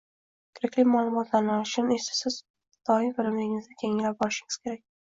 Kerakli maʼlumotlarni olish uchun esa siz har doim bilimlaringizni yangilab borishingiz kerak.